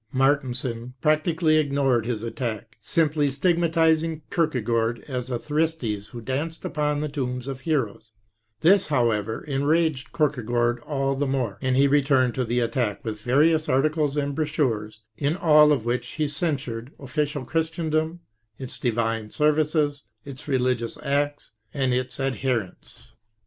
" Martensen practically ignored this attack, simply stigmatizing Kierkegaard as a Thersites who danced upon the tombs of heroes; this, however, enraged Kierke gaard all the more, and he returned to the attack with various articles and brochures in all of which he censured " official Christendom," its divine sei^ vices, its religious acts, and its adherents.